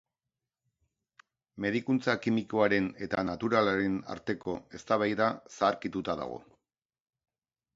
Medikuntza kimikoaren eta naturalaren arteko eztabaida zaharkituta dago.